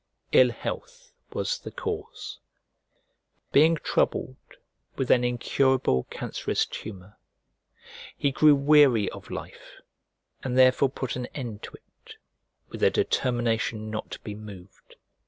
Ill health was the cause. Being troubled with an incurable cancerous humour, he grew weary of life and therefore put an end to it with a determination not to be moved.